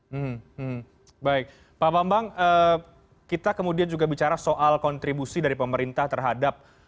hmm baik pak bambang kita kemudian juga bicara soal kontribusi dari pemerintah terhadap